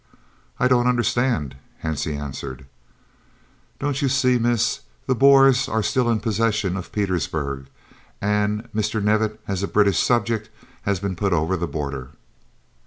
"I don't understand," Hansie answered. "Don't you see, miss? The Boers are still in possession of Pietersburg, and Mr. Knevitt, as a British subject, has been put over the border."